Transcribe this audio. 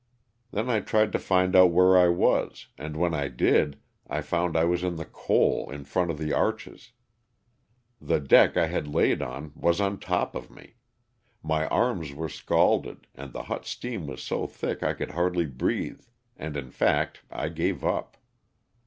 Then I tried to find out where I was and when I did I found I was in the coal in front of the arches. The deck I had laid on was on top of me. My arms were scalded and the hot steam was so thick I could hardly breathe, and in fact I gave up.